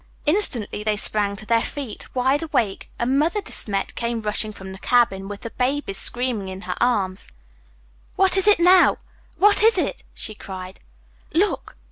Instantly they sprang to their feet, wide awake, and Mother De Smet came rushing from the cabin with the babies screaming in her arms. "What is it now? What is it?" she cried. "Look!